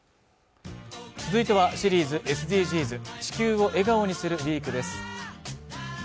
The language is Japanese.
続いてはシリーズ「ＳＤＧｓ」「地球を笑顔にするＷＥＥＫ」です